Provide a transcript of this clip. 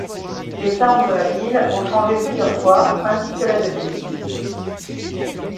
Les armes de la ville ont changé plusieurs fois ainsi que la devise.